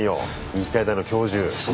日体大の教授。